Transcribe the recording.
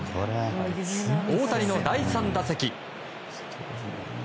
大谷の第３打席。